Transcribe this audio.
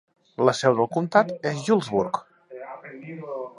La seu del comtat és Julesburg.